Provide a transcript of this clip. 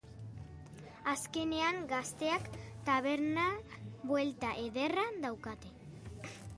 Azkenean gazteak taberna buelta ederra daukate.